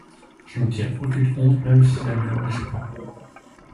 Je n’en tire aucune honte, même si ça ne me réjouit pas.